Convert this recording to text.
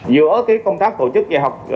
giữa công tác tổ chức dạy học